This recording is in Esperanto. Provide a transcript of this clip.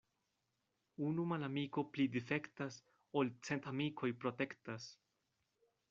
Unu malamiko pli difektas, ol cent amikoj protektas.